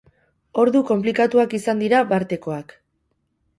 Ordu konplikatuak izan dira bartekoak.